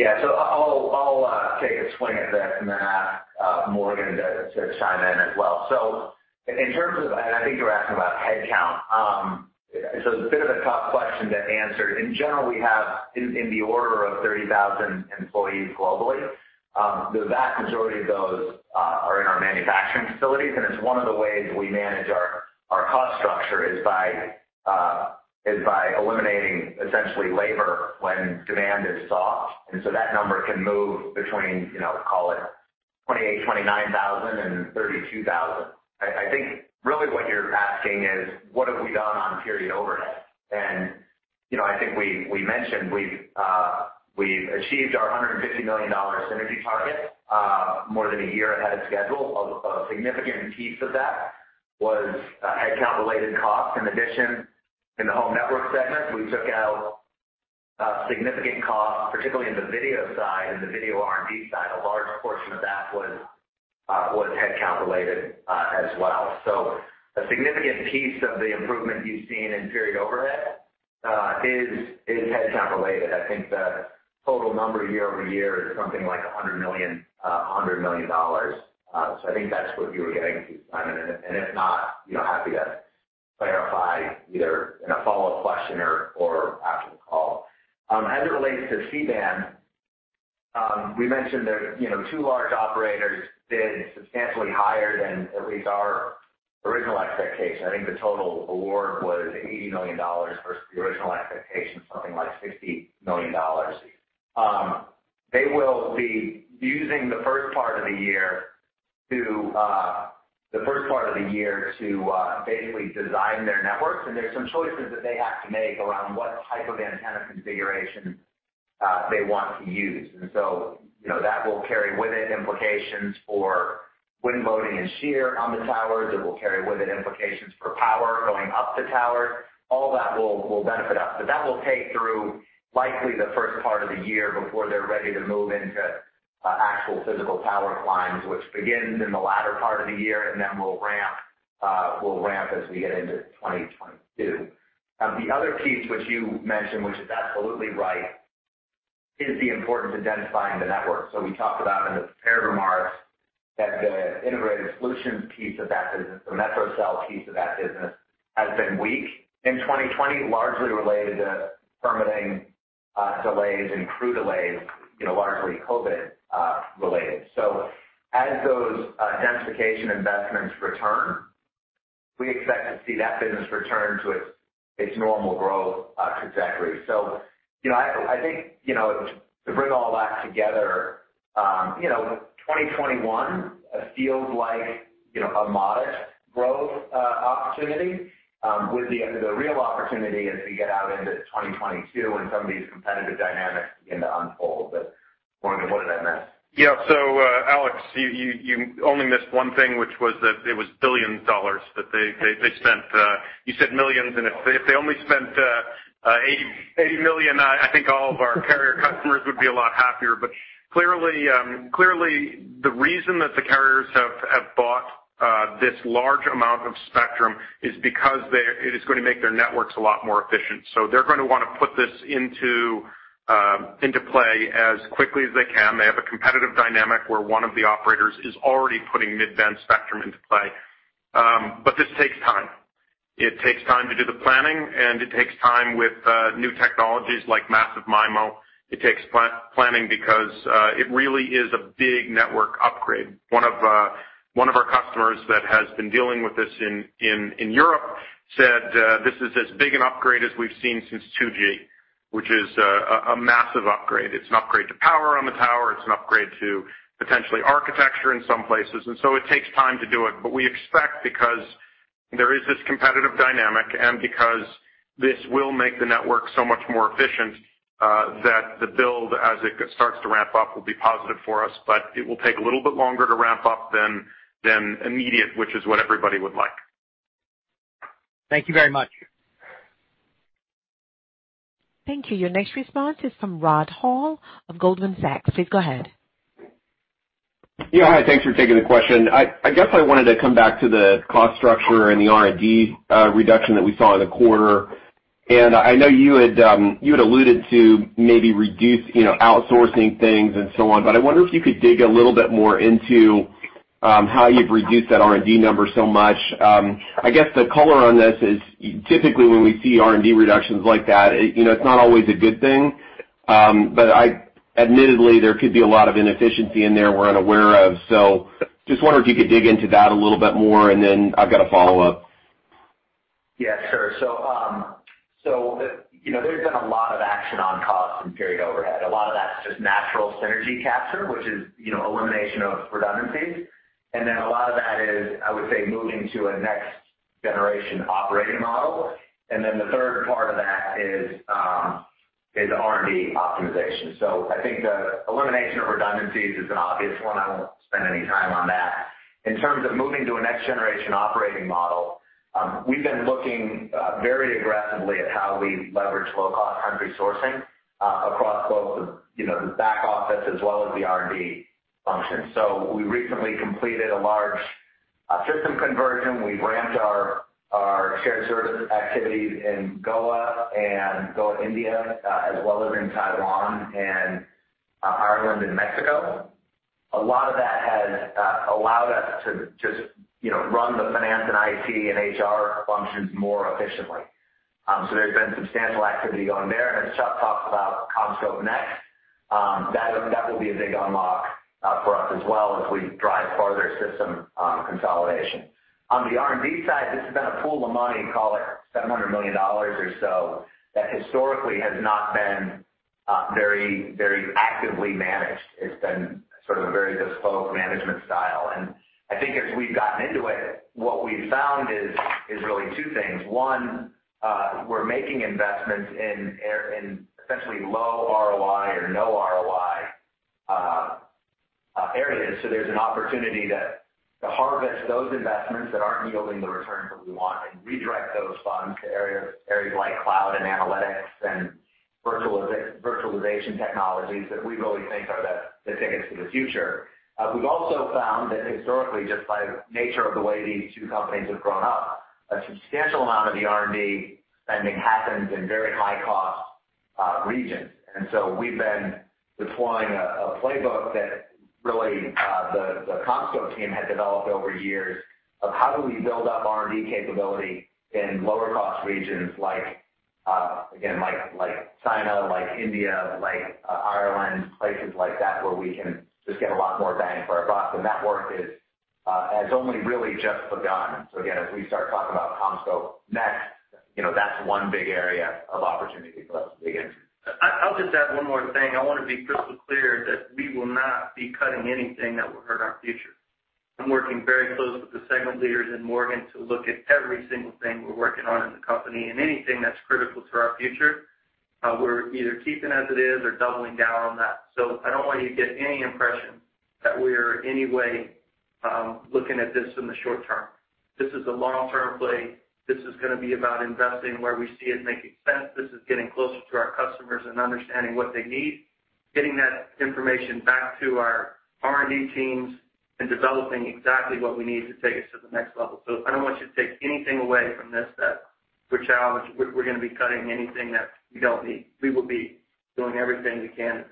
I'll take a swing at that and then I'll ask Morgan to chime in as well. In terms of, I think you're asking about headcount. It's a bit of a tough question to answer. In general, we have in the order of 30,000 employees globally. The vast majority of those are in our manufacturing facilities, it's one of the ways we manage our cost structure is by eliminating essentially labor when demand is soft. That number can move between, call it 28,000, 29,000 and 32,000. I think really what you're asking is what have we done on period overhead? I think we mentioned we've achieved our $150 million synergy target more than a year ahead of schedule. A significant piece of that was headcount-related costs. In addition, in the Home Networks segment, we took out significant costs, particularly in the video side and the video R&D side. A large portion of that was headcount related as well. A significant piece of the improvement you've seen in period overhead is headcount related. I think the total number year-over-year is something like $100 million. I think that's what you were getting at, Simon, and if not, happy to clarify either in a follow-up question or after the call. As it relates to C-band, we mentioned that two large operators bid substantially higher than at least our original expectation. I think the total award was $80 million versus the original expectation of something like $60 million. They will be using the first part of the year to basically design their networks, and there's some choices that they have to make around what type of antenna configuration they want to use. That will carry with it implications for wind loading and shear on the towers. It will carry with it implications for power going up the tower. All that will benefit us, but that will take through likely the first part of the year before they're ready to move into actual physical tower climbs, which begins in the latter part of the year and then will ramp as we get into 2022. The other piece which you mentioned, which is absolutely right, is the importance of densifying the network. We talked about in the prepared remarks that the integrated solutions piece of that business, the metro cell piece of that business, has been weak in 2020, largely related to permitting delays and crew delays, largely COVID related. As those densification investments return, we expect to see that business return to its normal growth trajectory. I think, to bring all that together, 2021 feels like a modest growth opportunity with the real opportunity as we get out into 2022 and some of these competitive dynamics begin to unfold. Morgan, what did I miss? Alex, you only missed one thing, which was that it was billions of dollars that they spent. You said millions, and if they only spent $80 million, I think all of our carrier customers would be a lot happier. Clearly, the reason that the carriers have bought this large amount of spectrum is because it is going to make their networks a lot more efficient. They're going to want to put this into play as quickly as they can. They have a competitive dynamic where one of the operators is already putting mid-band spectrum into play. This takes time. It takes time to do the planning, and it takes time with new technologies like Massive MIMO. It takes planning because it really is a big network upgrade. One of our customers that has been dealing with this in Europe said, "This is as big an upgrade as we've seen since 2G," which is a massive upgrade. It's an upgrade to power on the tower. It's an upgrade to potentially architecture in some places. It takes time to do it. We expect because there is this competitive dynamic and because this will make the network so much more efficient, that the build as it starts to ramp up, will be positive for us. It will take a little bit longer to ramp up than immediate, which is what everybody would like. Thank you very much. Thank you. Your next response is from Rod Hall of Goldman Sachs. Please go ahead. Yeah. Hi, thanks for taking the question. I guess I wanted to come back to the cost structure and the R&D reduction that we saw in the quarter. I know you had alluded to maybe reduce outsourcing things and so on. I wonder if you could dig a little bit more into how you've reduced that R&D number so much. I guess the color on this is typically when we see R&D reductions like that, it's not always a good thing. Admittedly, there could be a lot of inefficiency in there we're unaware of. Just wonder if you could dig into that a little bit more. I've got a follow-up. Yeah, sure. There's been a lot of action on costs and period overhead. A lot of that's just natural synergy capture, which is elimination of redundancies. A lot of that is, I would say, moving to a next-generation operating model. The third part of that is R&D optimization. I think the elimination of redundancies is an obvious one. I won't spend any time on that. In terms of moving to a next-generation operating model, we've been looking very aggressively at how we leverage low-cost country sourcing across both the back office as well as the R&D function. We recently completed a large system conversion. We ramped our shared service activities in Goa, India, as well as in Taiwan, and Ireland, and Mexico. A lot of that has allowed us to just run the finance and IT and HR functions more efficiently. There's been substantial activity going there. As Chuck talked about, CommScope Next, that will be a big unlock for us as well as we drive further system consolidation. On the R&D side, this has been a pool of money, call it $700 million or so, that historically has not been very actively managed. It's been sort of a very bespoke management style. I think as we've gotten into it, what we've found is really two things. One, we're making investments in essentially low ROI or no ROI areas, so there's an opportunity to harvest those investments that aren't yielding the returns that we want and redirect those funds to areas like cloud and analytics and virtualization technologies that we really think are the tickets to the future. We've also found that historically, just by the nature of the way these two companies have grown up, a substantial amount of the R&D spending happens in very high-cost regions. We've been deploying a playbook that really the CommScope team has developed over years of how do we build up R&D capability in lower-cost regions like, again, China, India, Ireland, places like that, where we can just get a lot more bang for our buck. That work has only really just begun. Again, as we start talking about CommScope Next, that's one big area of opportunity for us to dig in. I'll just add one more thing. I want to be crystal clear that we will not be cutting anything that will hurt our future. I'm working very closely with the segment leaders and Morgan to look at every single thing we're working on in the company, and anything that's critical to our future, we're either keeping as it is or doubling down on that. I don't want you to get any impression that we're in any way looking at this in the short-term. This is a long-term play. This is going to be about investing where we see it making sense. This is getting closer to our customers and understanding what they need, getting that information back to our R&D teams, and developing exactly what we need to take us to the next level. I don't want you to take anything away from this, that we're going to be cutting anything that we don't need. We will be doing everything we can to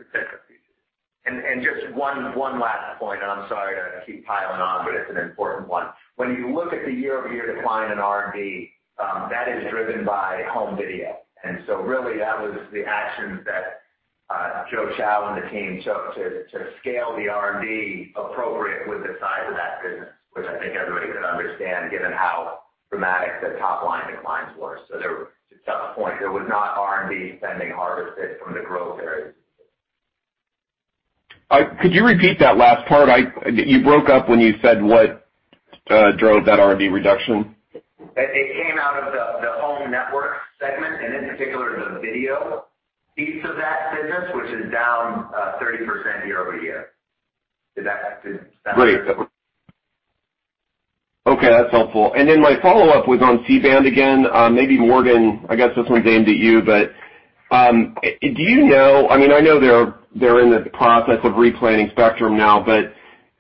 protect our future. Just one last point, and I'm sorry to keep piling on, but it's an important one. When you look at the year-over-year decline in R&D, that is driven by home video. Really that was the actions that Joe Chow and the team took to scale the R&D appropriate with the size of that business, which I think everybody could understand given how dramatic the top-line declines were. To Chuck's point, there was not R&D spending harvested from the growth areas. Could you repeat that last part? You broke up when you said what drove that R&D reduction. It came out of the Home Networks segment and in particular the video piece of that business, which is down 30% year-over-year. Does that sound right? Great. Okay, that's helpful. My follow-up was on C-band again. Maybe Morgan, I guess this one's aimed at you, but I know they're in the process of replanning spectrum now, but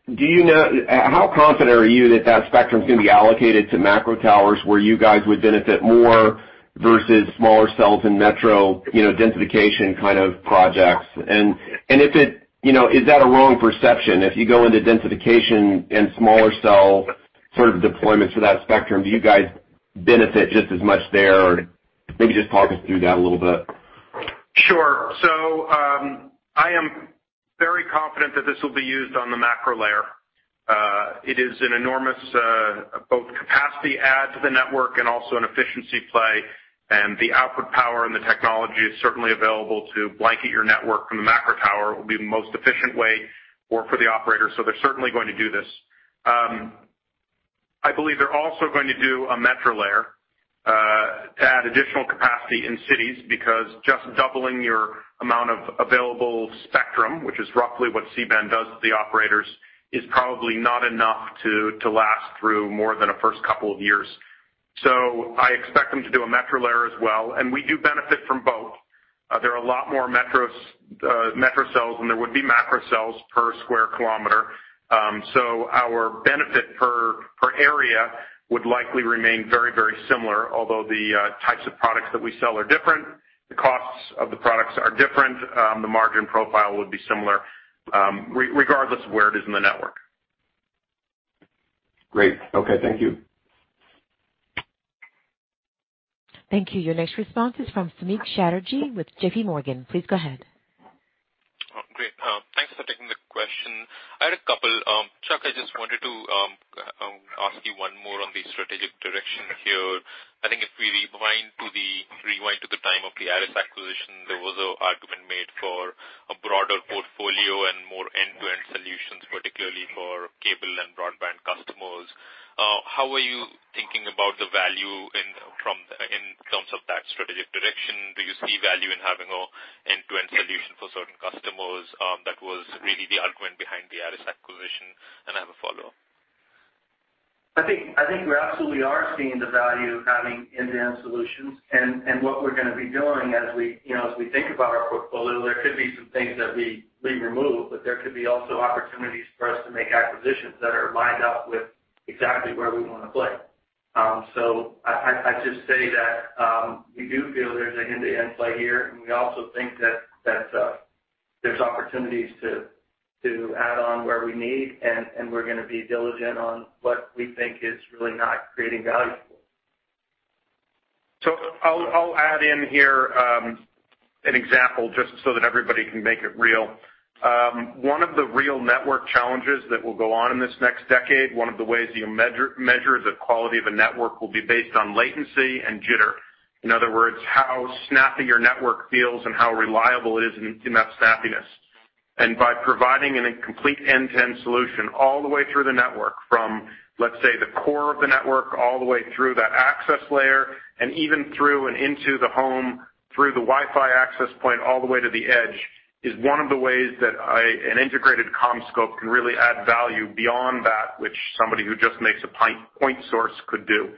how confident are you that spectrum's going to be allocated to macro towers where you guys would benefit more versus smaller cells in metro densification kind of projects? Is that a wrong perception? If you go into densification and smaller cell sort of deployments for that spectrum, do you guys benefit just as much there? Maybe just talk us through that a little bit. Sure. I am very confident that this will be used on the macro layer. It is an enormous both capacity add to the network and also an efficiency play, and the output power and the technology is certainly available to blanket your network from the macro tower will be the most efficient way for the operator, so they're certainly going to do this. I believe they're also going to do a metro layer to add additional capacity in cities because just doubling your amount of available spectrum, which is roughly what C-band does to the operators, is probably not enough to last through more than a first couple of years. I expect them to do a metro layer as well, and we do benefit from both. There are a lot more metro cells than there would be macro cells per square kilometer. Our benefit per area would likely remain very similar. Although the types of products that we sell are different, the costs of the products are different, the margin profile would be similar, regardless of where it is in the network. Great. Okay. Thank you. Thank you. Your next response is from Samik Chatterjee with JPMorgan. Please go ahead. Great. Thanks for taking the question. I had a couple. Chuck, I just wanted to ask you one more on the strategic direction here. I think if we rewind to the time of the ARRIS acquisition, there was an argument made for a broader portfolio and more end-to-end solutions, particularly for cable and broadband customers. How are you thinking about the value in terms of that strategic direction? Do you see value in having an end-to-end solution for certain customers? That was really the argument behind the ARRIS acquisition. I have a follow-up. I think we absolutely are seeing the value of having end-to-end solutions. What we're going to be doing as we think about our portfolio, there could be some things that we remove, there could be also opportunities for us to make acquisitions that are lined up with exactly where we want to play. I just say that we do feel there's an end-to-end play here, and we also think that there's opportunities to add on where we need, and we're going to be diligent on what we think is really not creating value. I'll add in here an example just so that everybody can make it real. One of the real network challenges that will go on in this next decade, one of the ways you measure the quality of a network will be based on latency and jitter. In other words, how snappy your network feels and how reliable it is in that snappiness. By providing a complete end-to-end solution all the way through the network from, let's say, the core of the network, all the way through that access layer and even through and into the home, through the Wi-Fi access point, all the way to the edge, is one of the ways that an integrated CommScope can really add value beyond that which somebody who just makes a point source could do.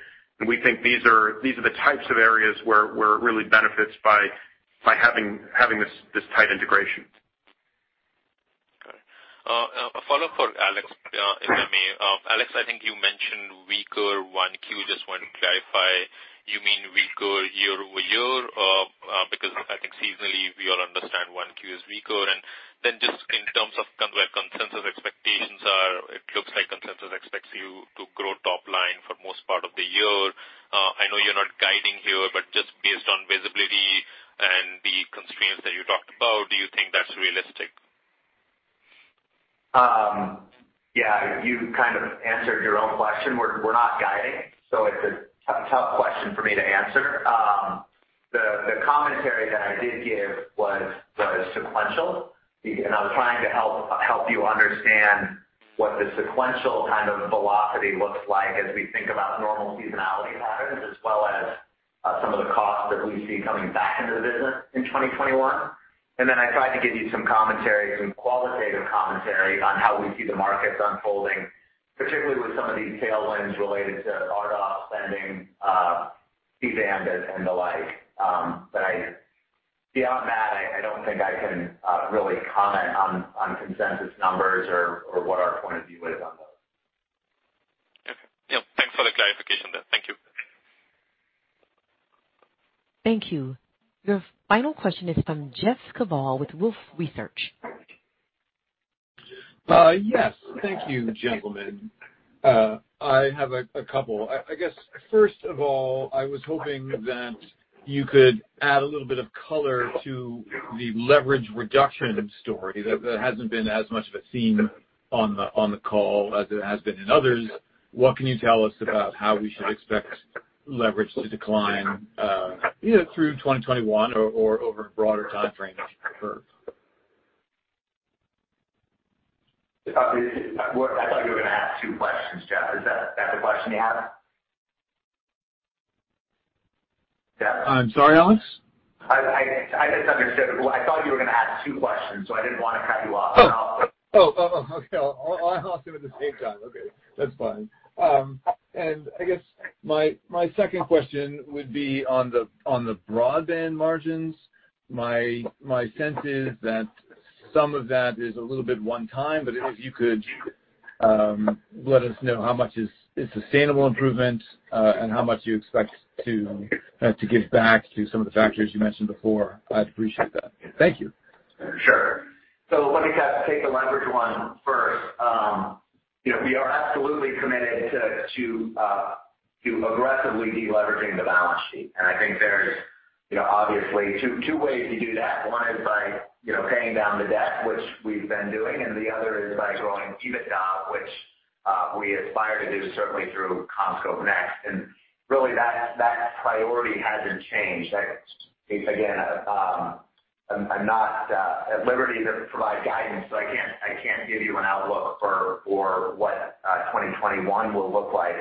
We think these are the types of areas where it really benefits by having this tight integration. Okay. A follow for Alex, if I may. Alex, I think you mentioned weaker 1Q. Just wanted to clarify, you mean weaker year-over-year? I think seasonally, we all understand 1Q is weaker. Just in terms of where consensus expectations are, it looks like consensus expects you to grow top line for most part of the year. I know you're not guiding here, just based on visibility and the constraints that you talked about, do you think that's realistic? Yeah, you kind of answered your own question. We're not guiding. It's a tough question for me to answer. The commentary that I did give was sequential, and I was trying to help you understand what the sequential kind of velocity looks like as we think about normal seasonality patterns, as well as some of the costs that we see coming back into the business in 2021. I tried to give you some commentary, some qualitative commentary, on how we see the markets unfolding, particularly with some of these tailwinds related to RDOF spending, C-band and the like. Beyond that, I don't think I can really comment on consensus numbers or what our point of view is on those. Okay. Yeah, thanks for the clarification there. Thank you. Thank you. Your final question is from Jeff Kvaal with Wolfe Research. Yes. Thank you, gentlemen. I have a couple. I guess first of all, I was hoping that you could add a little bit of color to the leverage reduction story that hasn't been as much of a theme on the call as it has been in others. What can you tell us about how we should expect leverage to decline, either through 2021 or over a broader time frame if you prefer? I thought you were going to ask two questions, Jeff. Is that the question you have? Jeff? I'm sorry, Alex? I misunderstood. I thought you were going to ask two questions, so I didn't want to cut you off. Oh, okay. I'll ask them at the same time. Okay, that's fine. I guess my second question would be on the Broadband Networks margins. My sense is that some of that is a little bit one time, but if you could let us know how much is sustainable improvement, and how much you expect to give back to some of the factors you mentioned before, I'd appreciate that. Thank you. Sure. Let me take the leverage one first. We are absolutely committed to aggressively de-leveraging the balance sheet. I think there's obviously two ways to do that. One is by paying down the debt, which we've been doing, and the other is by growing EBITDA, which we aspire to do certainly through CommScope Next. Really that priority hasn't changed. Again, I'm not at liberty to provide guidance, so I can't give you an outlook for what 2021 will look like,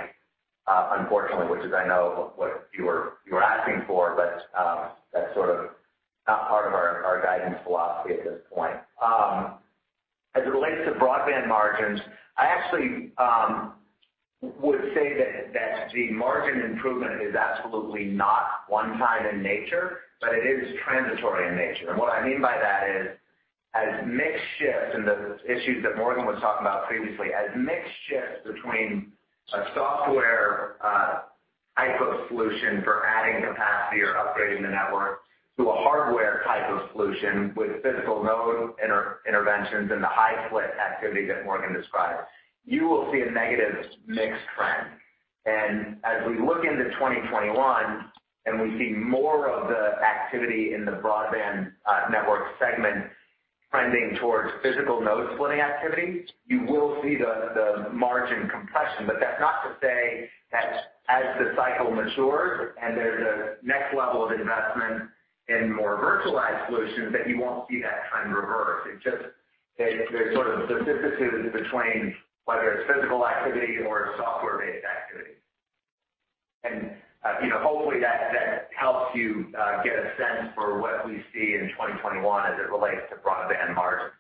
unfortunately, which is I know what you were asking for, but that's sort of not part of our guidance philosophy at this point. As it relates to Broadband margins, I actually would say that the margin improvement is absolutely not one time in nature, but it is transitory in nature. What I mean by that is, as mix shifts and the issues that Morgan was talking about previously, as mix shifts between a software type of solution for adding capacity or upgrading the network to a hardware type of solution with physical node interventions and the high-split activity that Morgan described, you will see a negative mix trend. As we look into 2021 and we see more of the activity in the Broadband Networks segment trending towards physical node splitting activity, you will see the margin compression. That's not to say that as the cycle matures and there's a next level of investment in more virtualized solutions, that you won't see that trend reverse. It's just there's sort of specificities between whether it's physical activity or software-based activity. Hopefully, that helps you get a sense for what we see in 2021 as it relates to broadband margins.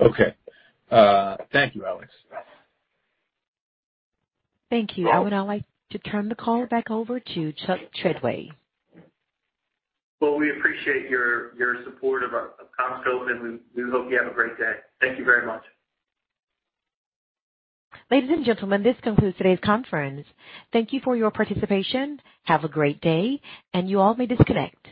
Okay. Thank you, Alex. Yes. Thank you. I would now like to turn the call back over to Chuck Treadway. Well, we appreciate your support of CommScope, and we hope you have a great day. Thank you very much. Ladies and gentlemen, this concludes today's conference. Thank you for your participation. Have a great day, and you all may disconnect.